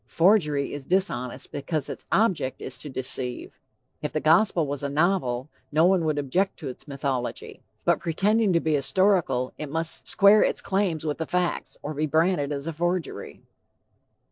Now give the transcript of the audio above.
Forgery is dishonest because its object is to deceive. If the Gospel was a novel, no one would object to its mythology, but pretending to be historical, it must square its claims with the facts, or be branded as a forgery.